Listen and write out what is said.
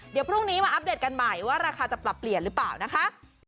เดี๋ยวพรุ่งนี้มาอัปเดตกันใหม่ว่าราคาจะปรับเปลี่ยนหรือเปล่านะคะ